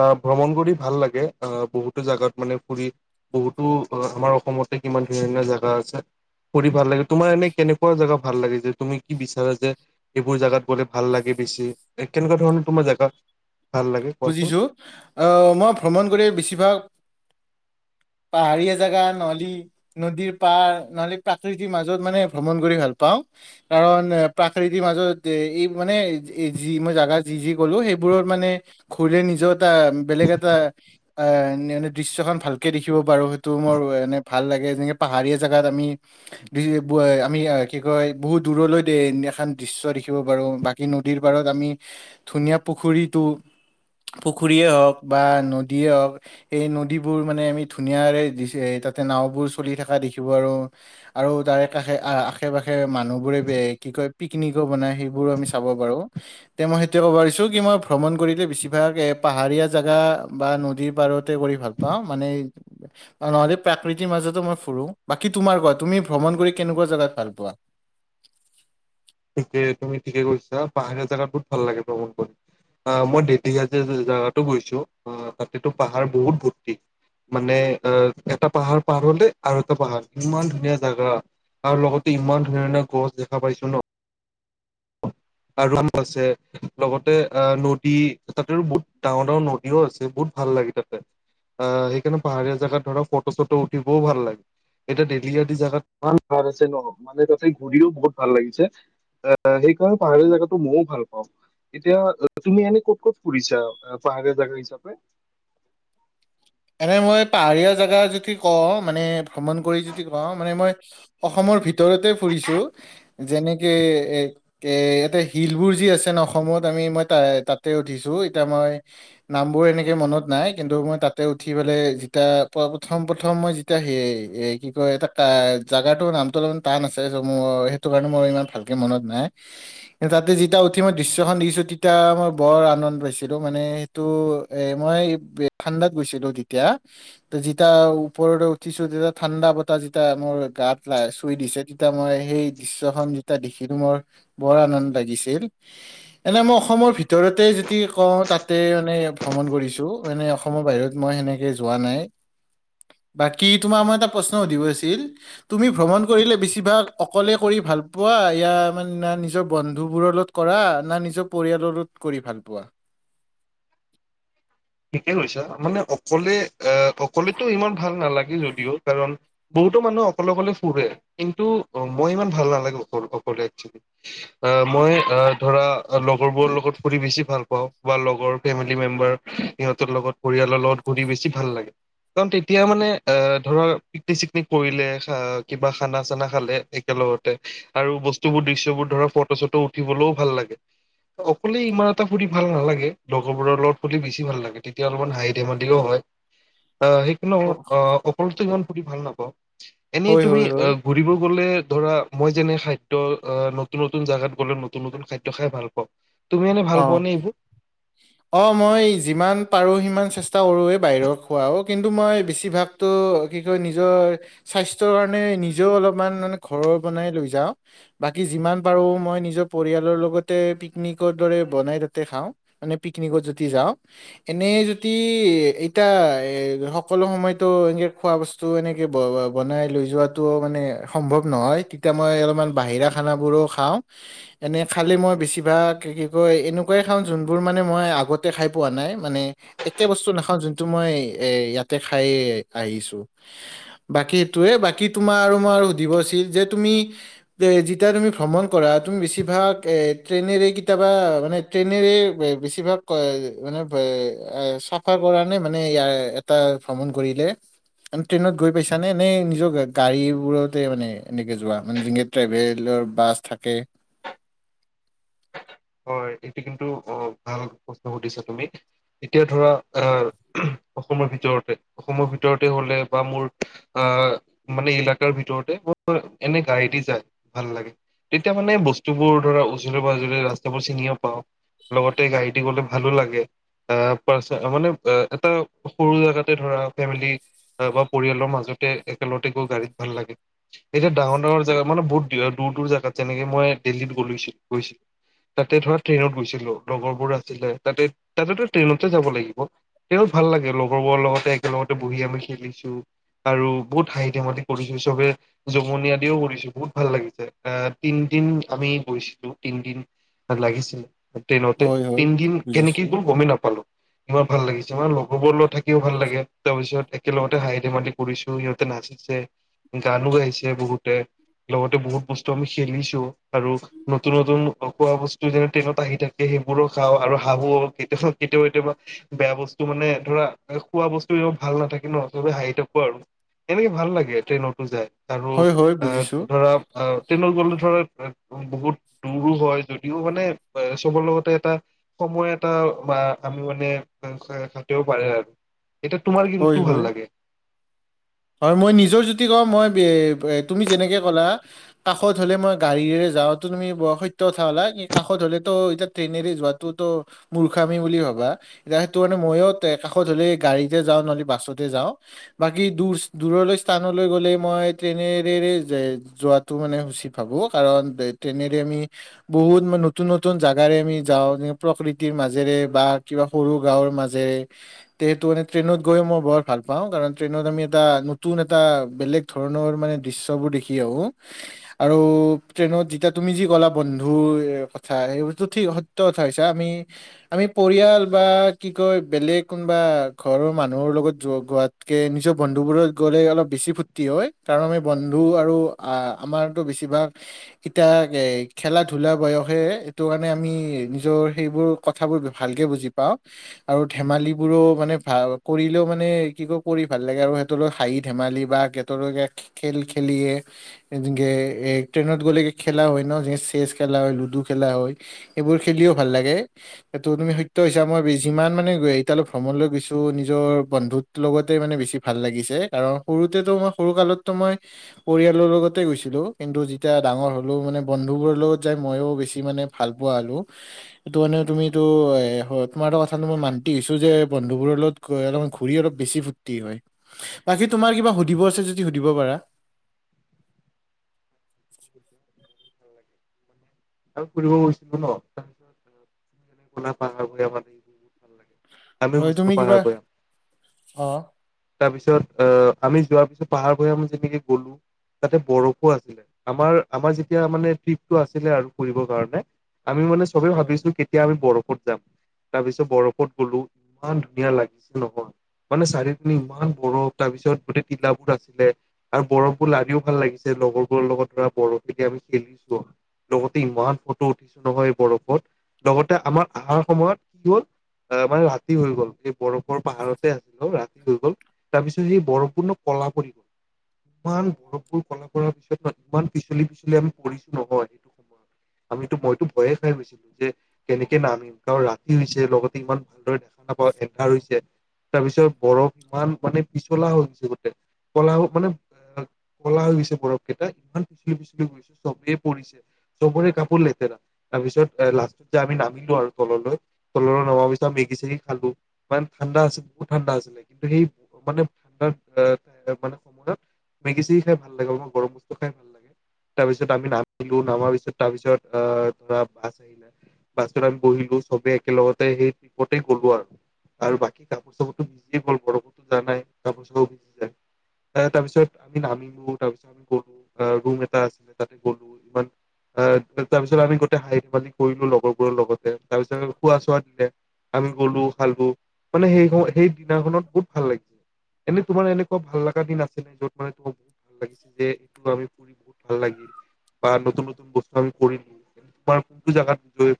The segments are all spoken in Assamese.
আহ ভ্ৰমণ কৰি ভাল লাগে আহ বহুতো জাগাত মানে ফুৰি, বহুতো আমাৰ অসমতে কিমান ধুনীয়া ধুনীয়া জেগা আছে। পঢি ভাল লাগে তোমাৰ এনে কেনেকুৱা জেগা ভাল লাগে যে তুমি কি বিচাৰা যে এইবোৰ জাগাত গ'লে ভাল লাগে বেছি কেনেকুৱা ধৰণৰ তোমাৰ জোগা ভাল, লাগে কোৱাচোন বুজিছোঁ আহ মই ভ্ৰমণ কৰি বেছিভাগ পাহাৰীয়া জোগা, নলী নদীৰ পাৰ, নহলেি প্ৰাকৃতিৰ মাজত মানে ভ্ৰমণ কৰি ভাল পাওঁ, কাৰণ প্ৰাকৃতিৰ মাজত, এ এই মানে, যি মই জোগা যি যি গলো, সেইবোৰত মানে খুৰৰে নিজত বেলেগ এটা এ এনে দৃশ্য়খন ভালকে দেখিব পাৰো, সেইটো মোৰ এনে ভাল লাগে, যেনেকে পাহাৰীয়া জোগাত আমি, আমি কি কয় বহুত দূৰলৈ এখন দৃশ্য দেখিব পাৰো, বাকী নদীৰ পাৰত আমি ধুনীয়া পুখুৰীটো পুখুৰীয়ে হওক বা নদীয়ে হওঁক, সেই নদীবোৰ মানে আমি ধুনীয়াাৰে তাতে নাওবোৰ চলি থকা দেখিব পাৰো আৰু তাৰে কাষে আশে পাশে মানুহ বোৰে কি কয় পিকনিকো বনাই, সেইবোৰো আমি চাব পাৰো, তে মই সেইটোে ক'ব পাৰিছো কি মই ভ্ৰমণ কৰিলে বেছি ভাগ এ পাহাৰীয়া জোগা বা নদীৰ পাৰতে কৰি ভাল পাও, মানে নহলে প্ৰাকৃতিৰ মাজতো মই ফুৰো। বাকী তোমাৰ কুৱা, তুমি ভ্ৰমণ কৰি কেনেকুৱা জেগাত ভাল পোৱা? ঠিকে তুমি ঠিকে কৈছা, পাহাৰীয়া জোগাত বহুত ভাল লাগে ভ্ৰমণ কৰি, অঁ মই দেত যে জেগাতো গৈছো, অঁ তাতেতো পাহাৰ বহুত ভ্তি, মানে আহ এটা পাহাৰ পাৰ হলে আৰু এটা পাহাৰ, ইমান ধুনীয়া জোগা আৰু লগতে ইমান ধুনীয়া ধুনীয়া গছ দেখা পাইছো ন ৰা [unintelligible] আছে, লগতে আহ নদী তাতেৰু বহুত ডাঙৰ ডাঙৰ নদীও আছে, বহুত ভাল লাগে তাতে। অঁ, সেইকাৰণে পাহাৰীয়া জোগাত ধৰক ফটো চটো উঠিবও ভাল লাগে। এতিয়া দেলহি আদি জোগাত ই পাৰ আছে ন মানে তাতে ঘূৰিও বহুত ভাল লাগিছে, এ সেইকাৰণে পাহাৰীয়া জোগাতটো ময়ও ভাল পাও। এতিয়া তুমি এনে ক'ত ক'ত ফুৰিছা, পাহাৰীয়া জেগা হিচাপে? এনে মই পাহাৰীয়া জোগা যদি কওঁ মানে ভ্ৰমণ কৰি যদি কওঁ মানে মই অসমৰ ভিতৰতে ফুৰিছো যেনেকে এ এ এটা হিলবোৰ যি আছে ন অসমত আমি মই ত তাতে উঠিছো এতিয়া মই নামবোৰ এনেকে মনত নাই কিন্তু মই তাত, তাতে উঠি পেললে যেতিয়া প্ৰথম প্ৰথম মই যেতিয়া সেই, এ কি কয়, এটা জাগাটো নামটো অলপমান টান আছে চ মোৰ সেইটো কাৰণে মোৰ ইমান ভালকে মনত নাই, কি তাতে যেতিয়া উঠি মই দৃশ্যখন দিখীছো তেতিয়া মই বৰ আনন্দ পাইছিলো, মানে সেইটো এ মই ঠাণ্ডাত গৈছিলো তেতিয়া, যেতিয়া ওপৰতে উঠিছো তেতিয়া ঠাণ্ডা বতা যেতিয়া মোৰ গাত চুই দিছে তেতিয়া মই সেই দৃশ্খনন যেতিয়া দেখিলো মোৰ বৰ আনন্দ লাগিছিল। এনে মই অসমৰ ভিতৰতে যদি কওঁ তাতে মানে ভ্ৰমণ কৰিছো মানে অসমৰ বাহিৰত মই সেনেকে যোৱা নাই বাকী তোমাৰ মই এটা প্ৰশ্ন সুধিব আছিল। তুমি ভ্ৰমণ কৰিলে বেছিভাগ অকলে কৰি ভাল পোৱা, ইয়য়া মানে না নিজৰ বন্ধু বোৰৰ লগত কৰা, না নিজৰ পৰিয়ালৰ লগত কৰি ভাল পোৱা? থিকেই কৈছা মানে অকলে অকলেতো ইমান ভাল নালাগে যদিও কাৰণ বহুতো মানুহ অকলে অকলে ফুৰে কিন্তু মই ইমান ভাল নালাগে অ অকলে একচেলি মই ধৰা লগৰবোৰৰ লগত ফুৰি বেছি ভাল পাওঁ বা লগৰ ফেমিলি মেম্বাৰ। সিহঁতৰ লগত, পৰিয়ালৰ লগত ঘূৰি বেছি ভাল লাগে, কাৰণ তেতিয়া মানে, এ ধৰা পিকনিক চিকনিক কৰিলে কিবা খানা চানা খালে একেলগতে আৰু বস্তুবোৰ দৃশ্য়বোৰ ধৰ ফটো চটো উঠিবলৈও ভাল লাগে, অকলে ইমান এটা ফুৰি ভাল নালাগে, লগৰবোৰৰ লগত ফুৰি বেছি ভাল লাগে। তেতিয়া অলপমান হাঁহি ধেমালিও হয়। অঁ, সেইিকো, অঁ অকলতো ইমান খুধি ভাল নাপাওঁ? এনেই হয় তুমি, হয় হয় অঁ ঘূৰিব গ'লে ধৰা মই যেনে খাদ্য নতুন নতুন জাগাত গলে নতুন নতুন খাদ্য খাই ভাল পাওঁ তুমি এনে ভাল পোৱা অ', নে এইবোৰ? অ, মই যিমান [unintelligible] বাহিৰত খোৱা, কিন্তু মই বেছি ভাগ তু নিজৰ সাস্থৰ কাৰণে নিজে অলমান ঘৰৰ বনাই লৈ যাওঁ, বাকি যিমান পাৰু নিজৰ পৰিয়াল ৰাতি পিকনিকত বনাই তাতে খাওঁ মানে পিকনিকত যদি যাওঁ, এনে যদি এতিয়া এ সকলো সময়তো এনেকে খোৱা বস্তু এনেকে বনাই লৈ যোৱাাতটো মানে সম্ভৱ নহয় তেতিয়া মই অলপমান বাহিৰা খানাবোৰো খাওঁ, এনে খালে মই বেছিভাগ কি কয় এনেকুৱাই খাও যোনবোৰ মানে মই আগতে খাই পোৱা নাই, মানে একে বস্তু নাখাও যোনটো মই এ ইয়াতে খাই আহিছো। বাকি সেইটোয়ে বাকি তোমাৰ আৰু মই আৰু সুধিবছিল যে তুমি এ যেতিয়া তুমি ভ্ৰমণ কৰা, তুমি বেছিভাগ এ ট্ৰেইনেৰে কেতিয়াবা মানে ট্ৰেনেৰে বেছিভাগ মানে আহ চাফাৰ কৰা নে মানে ই এটা ভ্ৰমণ কৰিলে, ট্ৰেইনত গৈ পাইছানে এই নিজৰ গাড়ীবোৰতে মানে, এনেকে যোৱা মানে যেনকে ট্ৰেভেলৰ বাছ থাকে। হয় এইটো কিন্তু অ ভাল প্ৰশ্ন সুধিছা তুমি। এতিয়া ধৰা অঁ অসমৰ ভিতৰতে, অসমৰ ভিতৰতে হলে বা মোৰ আহ মানে ইলেকাৰাৰ ভিতৰতে, মই এনে গাড়ীদি যায় ভাল লাগে, তেতিয়া মানে বস্তুবোৰ ধৰা ওচিৰে পাজৰে ৰা [unintelligible] চিনিও পাওঁ, লগতে গাড়ী দি গ'লে ভালো লাগে আহ পাৰ মানে এটা সৰু জেগাতে ধৰা ফেমিলি, বা পৰিয়ালৰ মাজতে একেলগতে গৈ গাড়ীত ভাল লাগে, এতিয়া ডাঙৰ ডাঙৰ জেগা মানে বহুত দূৰ দূৰ জোগাত যেনেকে মই দিল্লীত গ-গৈছিলোঁ। তাতে ধৰা ট্ৰেইনত গৈছিলো, লগৰবোৰ আছিলে। তাতে তাতেতো ট্ৰেইনতে যাব লাগিব, তেওঁ ভাল লাগে লগৰবোৰৰ লগতে একেলগতে বহি আমি খেলিছো আৰু বহুত হাঁহি ধেমালি তি কৰিছো চবে, জমনি আদিও কৰিছো, বহুত ভাল লাগিছে, অঁ তিনদিন আমি গৈছিলো। তিনদিন আৰু লাগিছিল ট্ৰেইনতে হয়, হয়, তিনদিন বুজিছো। কেনেকে গল গমেই নাপালো। ইমান ভাল লাগিছে আমাৰ লগৰবোৰ লগত থাকিও ভাল লাগে তাৰ পিছত একেলগতে হাঁহি ধেমালি কৰিছো সিহঁতে নাচিছে গানো গাইছে বহুতে লগতে বহুত বস্তু আমি খেলিছো আৰু নতুন নতুন খোৱা বস্তু যেনে ট্ৰেইনত আহি থাকে সেইবোৰো খাওঁ আৰু হাহো কেতিয়া কেতিয়াও কেতিয়াবা বেয়া বস্তু মানে ধৰা খোৱা বস্তু ভাল নাথাকে ন সবে হাঁহি থাকো আৰু এনেকে ভাল লাগে ট্ৰেইনতো যায়। আৰু হয়, হয়, অ বুজিছো। ধৰা অ ট্ৰেইনত গ'লে ধৰা বহুত ৰো হয় যদিও মানে চবৰ লগতে এটা সময় এটা আমি মানে খাটিব পাৰো আৰু এতয়া তোমাৰ কি হয়, ইটো ভাল হয়, লাগে হয় মই নিজৰ যিটো কওঁ মই তুমি যেনেকে ক'লা কাষত হ'লে মই গাড়ীৰে যাওঁতো তুমি সত্য কথা কলা কি কাষত হ'লেতো এতিয়া ট্ৰেইনেৰে যোৱাটোত মূৰ্খামি বুলি ভাবা এতিয়া সেইটো কাৰণে মইঅ কাষত হলে গাড়ীতে যাওঁ নহ'লে বাছতে যাওঁ বাকী দুৰ দূৰলৈ স্থানলৈ গ'লে মই ট্ৰেইনেৰেৰে যোৱাটো মানে উচিত ভাবোঁ কাৰণ ট্ৰেইনেৰে আমি বহুত মান নতুন নতুন জাগাৰে আমি যাওঁ প্ৰকৃতিৰ মাজেৰে বা কিবা সৰু গাঁৱৰ মাজেৰে তে সেতু মানে ট্ৰেইনত গৈ মই বৰ ভাল পাওঁ কাৰণ ট্ৰেইনত আমি এটা নতুন এটা বেলেগ ধৰণৰ মানে দৃশ্য বোৰ দেখি আহো আৰু ট্ৰেইনত যেতিয়া তুমি যি কলা বন্ধুৰ কথা সেই বটো ঠিক সত্য কথা কৈছা আমি আমি পৰিয়াল বা কি কয় বেলেগ কোনোবা ঘৰৰ মানুহৰ লগত যোৱা গোৱাতকে নিজৰ বন্ধুবোৰত গ'লে অলপ বেছি ফূৰ্তি হয় কাৰণ আমি বন্ধু আৰু আমাৰতো বেছিভাগ এতিয়া খেলা ধূলা বয়সে সেইটো কাৰণে আমি নিজৰ সেইবোৰ কথাবোৰ ভালকৈ বুজি পাওঁ আৰু ধেমালিবোৰো মানে ভাল কৰিলেও মানে কি কয় কৰি ভাল ভাল লাগে আৰু সিহঁতৰ হাঁহি ধেমালি বা কেটৰলগত খেল খেলিয়ে যেনকে এ ট্ৰেইনত গ'লে খেলা হয় ন যে চেচ খেলা হয় লুডু খেলা হয় সেইবোৰ খেলিও ভাল লাগে সিটো তুমি সত্য হিচাপ মই যিমান মানে এতালৈ ভ্ৰমণলৈ গৈছো নিজৰ বন্ধুত লগতে মানে বেছি ভাল লাগিছে কাৰণ সৰুতেতো মই সৰু কালতো মই পৰিয়ালৰ লগতে গৈছিলো কিন্তু যেতিয়া ডাঙৰ হ'লো মানে বন্ধু বোৰৰ লগত যাই মইও বেছি মানে ভাল পোৱা হ'লো সেইটো মানে তুমিটো এ তোমাৰ এটা কথাটো মই মান্তি হৈছো যে বন্ধু বোৰৰ লগত অলপ ঘূৰি অলপ বেছি ফূুৰ্তি হয় বাকী তোমাৰ কিবা সুধিব আছে যদি সুধিব পাৰা আৰু ফুৰিব গুছিলি ন াহৈ আম এই ভালাগে [unintelligible] হয় তুমি কিবা অহ তাৰপিছত আমি যোৱাৰ পিছত পাহাৰ বোৰ আমি যেনেকে গলো তাতে বৰফো আছিলে আমাৰ আমাৰ যেতিয়া মানে পিটটো আছিলে আৰু ফুৰিবৰ কাৰণে আমি মানে চবে হয় ভাবিছো কেতিয়া আমি বৰফ ফট যাম তাৰপিছত বৰফট গলো ইমান ধুনীয়া লাগিছে নহয় মানে চাৰিপিনে ইমান বৰফ তাৰপিছত গোটেই তিলাবোৰ আছিলে আৰু বৰফবোৰ লাৰিও ভাল লাগিছে লগৰবোৰৰ লগত ধৰা বৰফ লকে আমি খেলিছো লগতে ইমান ফটো উঠিছো নহয় এই বৰফত লগতে আমাৰ অহাৰ সময়ত কি হ'ল আহ মানে ৰাতি হৈ গল এই বৰফৰ পাহাৰতে আছিল অ ৰাতি হৈ গল তাৰপিছত সে বৰফবোৰ ন কলা পৰি গ'ল ইমান বৰফবোৰ কলা পৰাৰ পিছত ন ইমান পিছলি পিছলি আমি পৰিছো নহয় সেইটো সময়ত আমিতো মইতো ভয়ে খাই গৈছিলো যে কেনেকে নামিম কাৰণ ৰাতি হৈছে লগতে ইমান হই এন্ধাৰ হৈছে তাৰ পিছত বৰফ ইমান মানে পিছলা হৈ গৈছে গোটেই কলা মানে কলা হৈ গৈছে বৰফ কেইটা ইমান পিছলি পিছলি গৈছো চবেই পৰিছে চবৰে কাপোৰ লেতেৰা তাৰপিছত লাষ্টত যে আমি নামিলো আৰু তললৈ তল নমাৰ পিছত মেগি চেগি খালো মানে ঠাণ্ডা আছিল বহুত ঠাণ্ডা আছিলে কিন্তু সেই মানে ঠাণ্ডা মানে সময়ত মেগি চেগি খাই ভাল লাগে অলাৰ গৰম বস্তু খাই ভাল লাগে তাৰ পিছত আমি নামিলো নামাৰ পিছত তাৰ পিছত আহ ধৰা বাছ আহিলে বাছত আমি বহিলো চবে একেলগত সেই ট্ৰপতে গ'লো আৰু আৰু বাকী কাপোৰ চাপোৰ ত ভিজিয়ে গ'ল বৰফতো যাৱা নাই কাপোৰ চাপোৰ ভিজি যায় তাৰ পিছত আমি নামিলো তাৰ পিছত আমি গলো ৰুম এটা আছিলে তাতে গ'লো ইমান তাৰ পিছত আমি গোতেই হাঁহি ধেমালি কৰিলো লগৰবোৰৰ লগতে তাৰ পিছত খোৱা চোৱাত আমি গ'লো খালো মানে সেই সেই দিনাখনত বহুত ভাল লাগিছে এনে তোমাৰ এনেকুৱা ভাল লগা দিন আছে নে যত মানে তোমাৰ ভাল লাগিছে যে এইটো আমি ফুৰি বহুত ভাল লাগিল বা নতুন নতুন তু বস্তু আমি কৰি তোমাৰ কোনটো জাগাত গৈ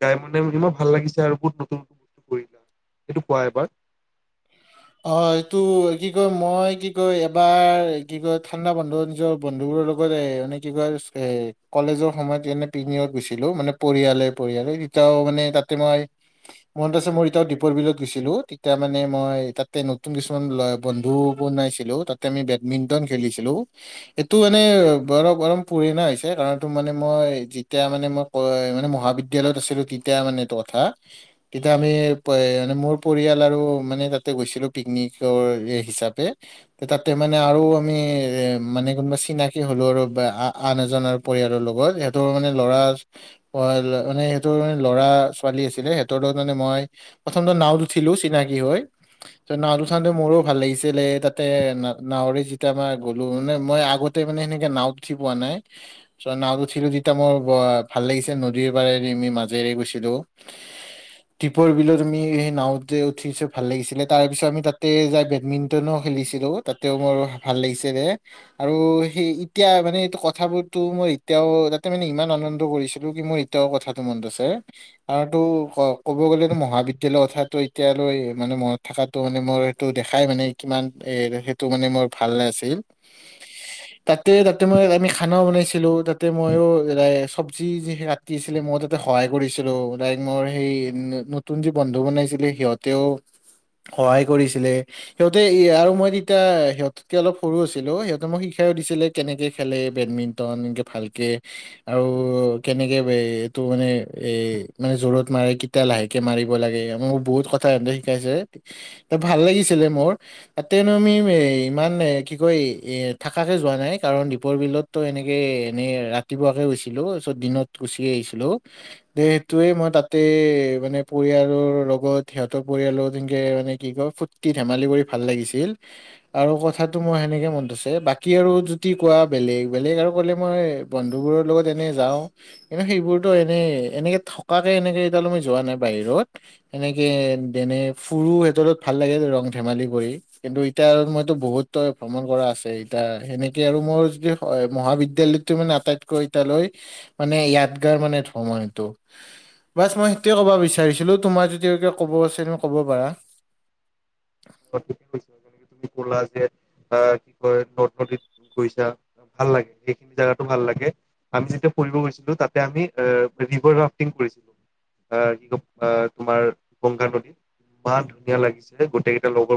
গাই মানে ইমান ভাল লাগিছে আৰু বহুত নতুন নতুন বস্তু কৰিলা সেইটো কোৱা এবাৰ অ এইটো কি কয় মই কি কয় এবাৰ কি কয় ঠাণ্ডা বন্ধ নিজৰ বন্ধুবোৰৰ লগত এ মানে কি কয় এ কলেজৰ সময়ত এনে পিকনিকত গৈছিলো মানে পৰিয়ালে পৰিয়ালে তেতিয়াও মানে তাতে মই মনত আছে মোৰ এতিও দীপৰ বিলত গৈছিলো তেতিয়া মানে মই নতুন কিছুমান বন্ধু বনাইছিলো তাতে আমি বেডমিন্টন খেলিছিলো এটো আমাৰ বৰ বৰম পুৰণা হৈছে কাৰণটো মানে মই যেতিয়া মানে মই ক মানে মহাবিদ্যলয়ত আছিলো তেতিয়া মানে এইটো কথা তেতিয়া আমি মোৰ পৰিয়াল আৰু মানে তাতে গৈছিলো পিকনিকৰ হিচাপে তাতে মানে আৰু আমি এ মানে কোনোবা চিনাকি হলো আৰু আন এজনৰ পৰিয়ালৰ লগত সিহঁতৰ মানে লৰা মানে সিহঁতৰ মে লৰা ছোৱালী আছিলে সিহঁতৰ লগত মানে মই প্ৰথমে নাও উঠিলো চিনাকি হৈ ত' নাও উঠাতে মোৰো ভাল লাগিছিলে তাতে নাৱৰে যেতিয়া আমাৰ গলো মানে মই আগতে মানে সেনেকে নাওত উঠি পোৱা নাই চ' নাৱত উঠিলো যেতিয়া মোৰ ভাল লাগিছে নদীৰ পাৰেৰে আমি মাজেৰে গৈছিলো দীপৰ বিলত তুমি সেই নাওতে উঠিছো ভাল লাগিছিলে তাৰ পিছত আমি তাতে যাই বেডমিণ্টনো খেলিছিলো তাতে মোৰো ভাল লাগিছিলে আৰু সেই এতিয়া মানে এই কথাবোৰতো মই এতিয়াও তাতে মানে ইমান আনন্দ কৰিছিলো কি মোৰ এতিয়াও কথাটো মনত আছে আৰু তো ক'ব গ'লেতো মহাবিদ্যালয়ৰ কথাটো এতিয়ালৈ মানে মনত থকাটো মানে মোৰ সেইটো দেখাই মানে ইমান এ সেইটো মানে মোৰ ভাল নাছিল তাতে তাতে মই আমি খানা বনাইছিলো তাতে মই চবজি যি কাটি আছিলে মই তাতে সহায় কৰিছিলো লাইক মোৰ সেই নতুন যি বন্ধু বনাইছিলে সিহঁতেও সহায় কৰিছিলে সিহঁতে আৰু মই তেতিয়া সিহঁত অলপ সৰু আছিলো সিহঁতে মোক শিকাইও দিছিলে কেনেকে খেলে বেডমিণ্টন এনকে ভালকে আৰু কেনেকে এইটো মানে এ মানে জোৰত মাৰে কিতা লাহেকে মাৰিব লাগে মোক বহুত কথা সিহঁতে শিকাইছে ত ভাল লাগিছিলে মোৰ তাতে মানে মই এ ইমান কি কয় এ থাকাকে যোৱা নাই কাৰণ দীপৰ বিলত ত এনেকে এনেই ৰাতিপুৱাকে গৈছিলো চ দিনত গুচি আহিছিলো সেইটোয়ে মই তাতে মানে পৰিয়ালৰ লগত সিহঁতৰ পৰিয়ালত যেনেকে মানে কি কয় ফুটটি ধেমালি কৰি ভাল লাগিছিল আৰু কথাটো মোৰ সেনেকে মনত আছে বাকী আৰু জুতি কোৱা বেলেগ বেলেগ আৰু কলে মই বন্ধু বোৰৰ লগত এনে যাও কিন্তু সেইবোৰতো এনে এনেকে থকাকে এনেকে লেকে মই যোৱা নাই বাহিৰত এনেকে যেনে ফুৰু হি হত লগত ভাল লাগে ৰং ধেমালি কৰি কিন্তু ইতয়া মইতো বহুত ভ্ৰমণ কৰা আছে ইতিয়া সেনেকে আৰু মোৰ য মহাবিদ্যালয় মানে আটাইতকৈ এতালৈ মানে য়াদ গাৰ মানে ভ্ৰমণ এইটো বাচ মই সেইটোৱে ক'ব বিচাৰিছিলো তোমাৰ যদি কব আছে ক'ব পাৰা ছ যেনেকে তুমি কলা যে যে কি কয় নৰ্থ নদীত গৈছা, ভাল লাগে, সেইখিনি জোগাতো ভাল লাগে, আমি যেতিয়া ফুৰিব গৈছিলো তাতে আমি এ ৰিভাৰ ৰাফটিং কৰিছিলো, আহ কি কয় তোমাৰ গংগা নদীত ইমান ধুনীয়া লাগিছে গোটেইকেই লগৰ